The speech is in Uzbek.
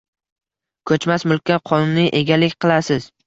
Koʼchmas mulkka qonuniy egalik qilasiz